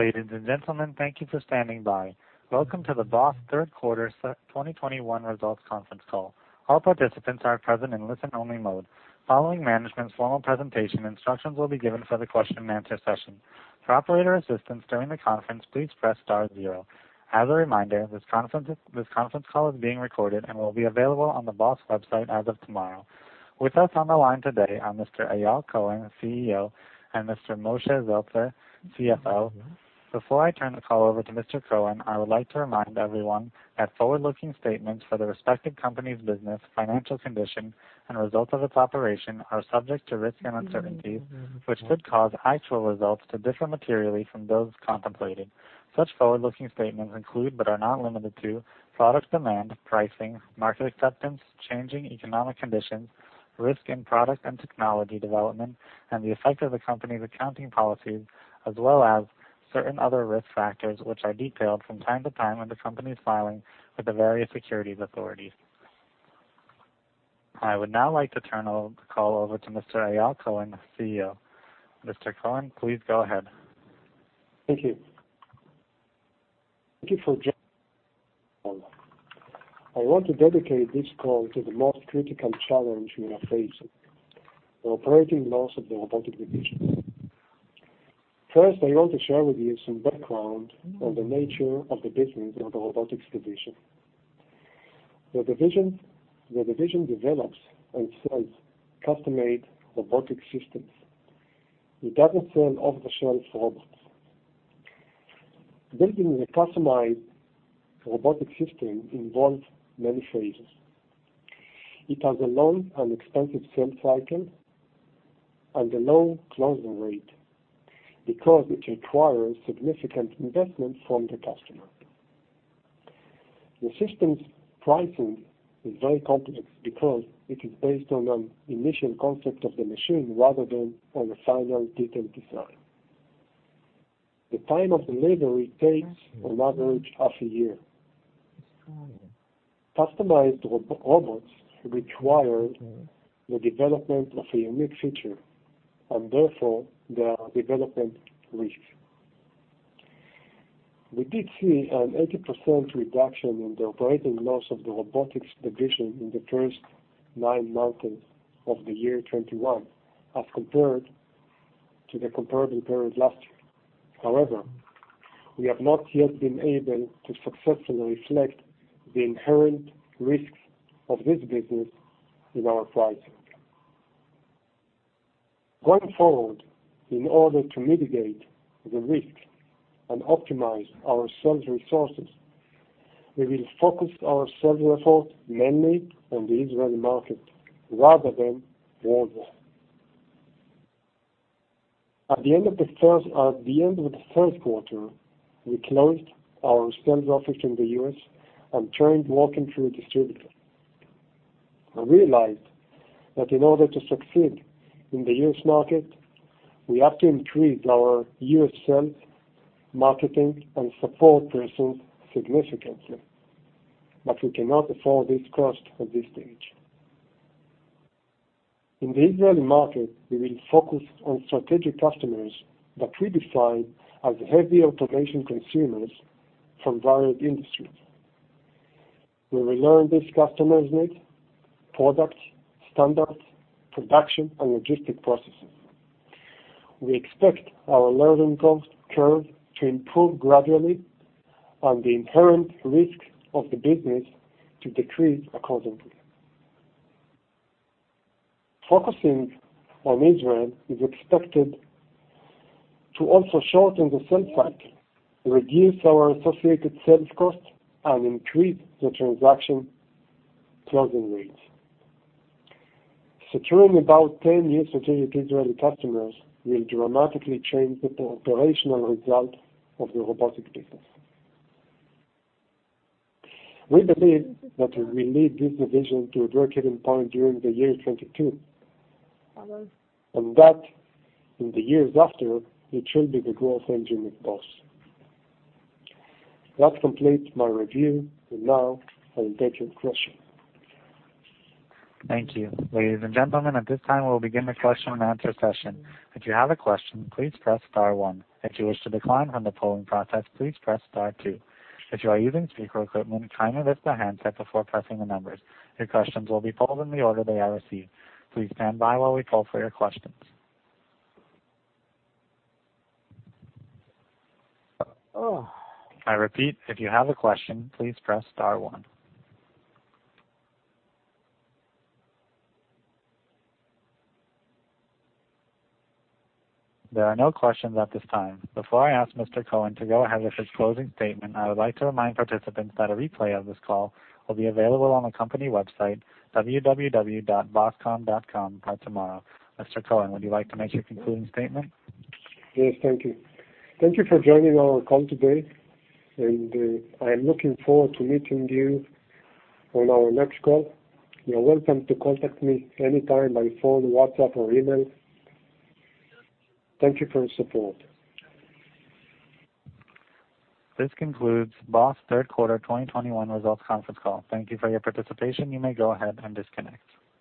Ladies and gentlemen, thank you for standing by. Welcome to the BOS third quarter 2021 results conference call. All participants are present in listen-only mode. Following management's formal presentation, instructions will be given for the question-and-answer session. For operator assistance during the conference, please press star zero. As a reminder, this conference call is being recorded and will be available on the BOS. website as of tomorrow. With us on the line today are Mr. Eyal Cohen, CEO, and Mr. Moshe Zeltzer, CFO. Before I turn the call over to Mr. Cohen, I would like to remind everyone that forward-looking statements for the respective company's business, financial condition, and results of its operation are subject to risks and uncertainties, which could cause actual results to differ materially from those contemplated. Such forward-looking statements include, but are not limited to, product demand, pricing, market acceptance, changing economic conditions, risk in product and technology development, and the effect of the company's accounting policies, as well as certain other risk factors which are detailed from time to time in the company's filings with the various securities authorities. I would now like to turn the call over to Mr. Eyal Cohen, CEO. Mr. Cohen, please go ahead. I want to dedicate this call to the most critical challenge we are facing, the operating loss of the robotics division. First, I want to share with you some background on the nature of the business of the robotics division. The division develops and sells custom-made robotic systems. It doesn't sell off-the-shelf robots. Building a customized robotic system involves many phases. It has a long and expensive sales cycle and a low closing rate because it requires significant investment from the customer. The system's pricing is very complex because it is based on an initial concept of the machine rather than on a final detailed design. The time of delivery takes on average half a year. Customized robots require the development of a unique feature, and therefore there are development risks. We did see an 80% reduction in the operating loss of the robotics division in the first nine months of the year 2021 as compared to the comparable period last year. However, we have not yet been able to successfully reflect the inherent risks of this business in our pricing. Going forward, in order to mitigate the risk and optimize our sales resources, we will focus our sales effort mainly on the Israeli market rather than worldwide. At the end of the third quarter, we closed our sales office in the U.S. and turned to working through a distributor. I realized that in order to succeed in the U.S. market, we have to increase our U.S. sales, marketing, and support presence significantly, but we cannot afford this cost at this stage. In the Israeli market, we will focus on strategic customers that we define as heavy automation consumers from varied industries. We will learn these customers' needs, products, standards, production, and logistics processes. We expect our learning cost curve to improve gradually and the inherent risks of the business to decrease accordingly. Focusing on Israel is expected to also shorten the sales cycle, reduce our associated sales costs, and increase the transaction closing rates. Securing about 10 new strategic Israeli customers will dramatically change the operational results of the robotics business. We believe that we will lead this division to a breakeven point during the year 2022, and that in the years after, it will be the growth engine of BOS. Now I will take your questions. Thank you. Ladies and gentlemen, at this time, we will begin the question-and-answer session. If you have a question, please press star one. If you wish to decline from the polling process, please press star two. If you are using speaker equipment, kindly lift the handset before pressing the numbers. Your questions will be pulled in the order they are received. Please stand by while we call for your questions. I repeat, if you have a question, please press star one. There are no questions at this time. Before I ask Mr. Cohen to go ahead with his closing statement, I would like to remind participants that a replay of this call will be available on the company website, www.boscom.com, by tomorrow. Mr. Cohen, would you like to make your concluding statement? Yes. Thank you. Thank you for joining our call today, and I am looking forward to meeting you on our next call. You are welcome to contact me anytime by phone, WhatsApp, or email. Thank you for your support. This concludes BOS. third quarter 2021 results conference call. Thank you for your participation. You may go ahead and disconnect.